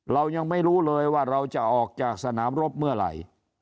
เรายังไม่รู้เลยว่าเราจะออกจากสนามรบเมื่อไหร่